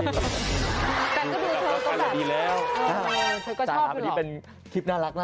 แต่ดูเธอก็แบบถูกทัศน์ใช่ชอบแหละหรอแต่ว่ามันเป็นคลิปน่ารักเนอะ